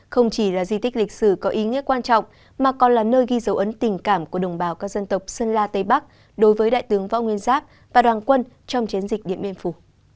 không chỉ là di tích lịch sử có ý nghĩa quan trọng mà còn là nơi ghi dấu ấn tình cảm của đồng bào các dân tộc sơn la tây bắc đối với đại tướng võ nguyên giáp và đoàn quân trong chiến dịch điện biên phủ